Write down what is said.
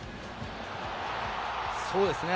そうですね。